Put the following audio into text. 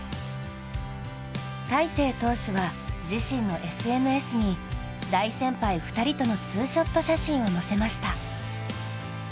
大勢投手は自身のＳＮＳに大先輩２人とのツーショット写真を載せました。